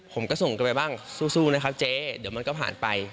ผมก็ส่งกันไปบ้างสู้นะครับเจ๊เดี๋ยวมันก็ผ่านไป